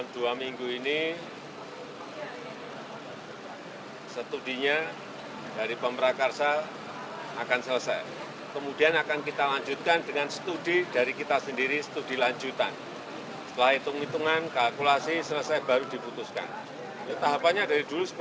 jokowi menuturkan studi terkait dengan wacana memperpanjang kereta cepat hingga ke surabaya